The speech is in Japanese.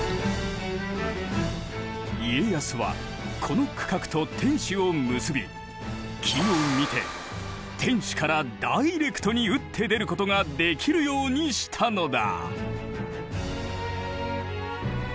家康はこの区画と天守を結び機を見て天守からダイレクトに打って出ることができるようにしたのだ。